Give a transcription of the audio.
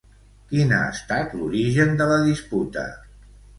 Quin ha estat l'origen de la disputa?